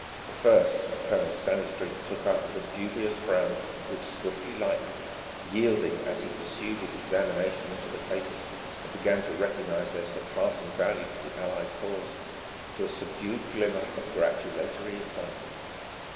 The first Colonel Stanistreet took up with a dubious frown which swiftly lightened, yielding, as he pursued his examination into the papers and began to recognize their surpassing value to the Allied cause, to a subdued glimmer of gratulatory excitement.